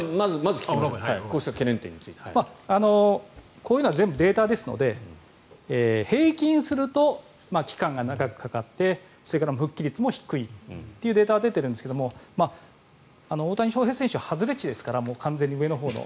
こういうのは全部データですので平均すると期間が長くかかってそれから復帰率も低いというデータは出ているんですが大谷翔平選手、外れ値ですから完全に上のほうの。